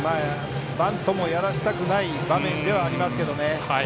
バントもやらせたくない場面ではありますけど。